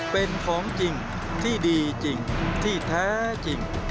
เป็นของจริงที่ดีจริงที่แท้จริง